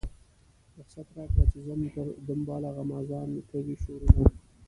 رخصت راکړه چې ځم پر دنباله غمازان کوي شورونه.